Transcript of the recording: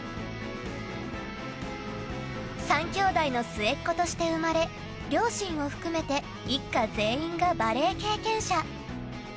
３きょうだいの末っ子として生まれ両親を含めて一家全員がバレー経験者。